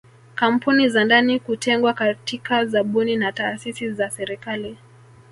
Kampuni za ndani kutengwa katika zabuni na taasisi za serikali